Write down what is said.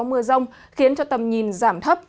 nói chung là gió mưa rông khiến tầm nhìn giảm thấp